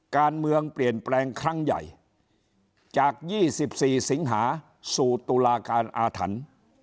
การเมืองเปลี่ยนแปลงครั้งใหญ่จาก๒๔สิงหาสู่ตุลาการอาถรรพ์